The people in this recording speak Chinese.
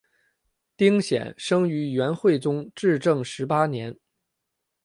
丁显生于元惠宗至正十八年。